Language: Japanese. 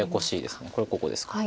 これここですか。